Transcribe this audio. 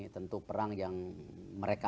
tentu perang yang mereka